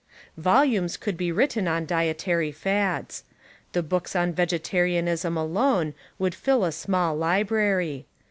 Volumes could be written on dietary fads; the books on vege tarianism alone would fill a small library.